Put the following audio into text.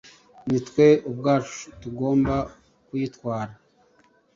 ni twe ubwacu tugomba kuyitwara